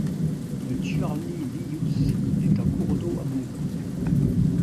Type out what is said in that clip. Le Tchiorny Iïous est un cours d'eau abondant.